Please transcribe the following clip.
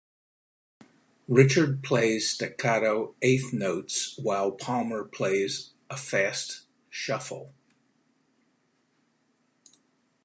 Richard plays staccato eighth notes while Palmer plays a fast shuffle.